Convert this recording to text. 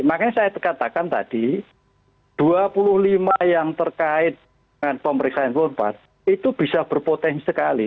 makanya saya katakan tadi dua puluh lima yang terkait dengan pemeriksaan dua puluh empat itu bisa berpotensi sekali